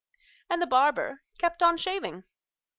And the barber kept on shaving.